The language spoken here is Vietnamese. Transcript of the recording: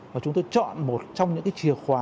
và chúng tôi chọn một trong những chìa khóa